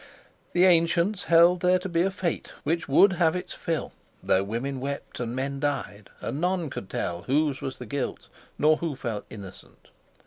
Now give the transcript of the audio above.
The ancients held there to be a fate which would have its fill, though women wept and men died, and none could tell whose was the guilt nor who fell innocent.